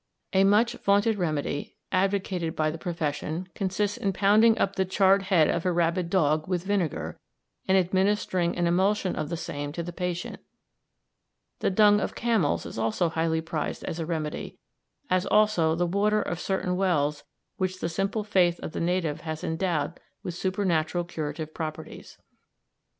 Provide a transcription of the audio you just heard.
A much vaunted remedy advocated by the profession consists in pounding up the charred head of a rabid dog with vinegar, and administering an emulsion of the same to the patient. The dung of camels is also highly prized as a remedy, as also the water of certain wells which the simple faith of the natives has endowed with supernatural curative properties.